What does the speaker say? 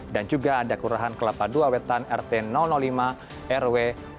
dan juga ada kelurahan kelapa dua wetan rt lima rw satu